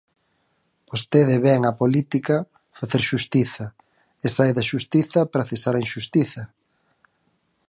Vostede vén á política facer xustiza e sae da Xustiza para cesar a inxustiza.